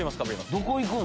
どこ行くん？